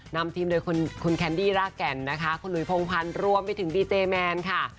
นำทีมโดยคุณแคนดี้รากแก่นนะคะคุณหุยพงพันธ์รวมไปถึงดีเจแมนค่ะ